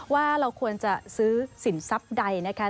ว่าเราควรจะซื้อสินทรัพย์ใดนะคะ